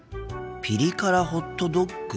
ピリ辛ホットドッグ。